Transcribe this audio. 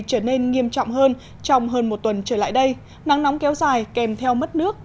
trở nên nghiêm trọng hơn trong hơn một tuần trở lại đây nắng nóng kéo dài kèm theo mất nước